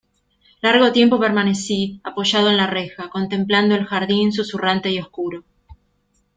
largo tiempo permanecí apoyado en la reja, contemplando el jardín susurrante y oscuro.